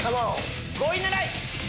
５位狙い！